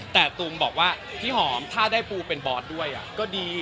แต่ตูมบอกว่าพี่หอมถ้าได้ปูเป็นบอสด้วยก็ดี